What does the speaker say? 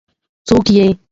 څوک يې ؟